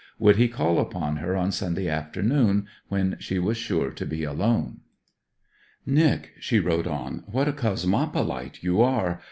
Would he call upon her on Sunday afternoon, when she was sure to be alone? 'Nic,' she wrote on, 'what a cosmopolite you are!